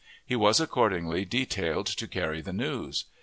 He was accordingly detailed to carry the news.